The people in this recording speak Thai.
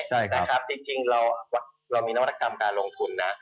จริงเรามีนวัตกรรมการลงทุนนะ